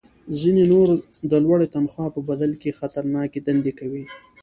ځینې نور د لوړې تنخوا په بدل کې خطرناکې دندې کوي